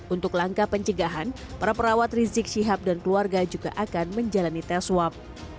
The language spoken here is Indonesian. untuk langkah pencegahan para perawat rizik syihab dan keluarga juga akan menjalani tes swab